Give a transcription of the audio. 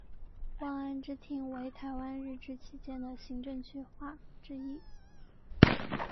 望安支厅为台湾日治时期的行政区划之一。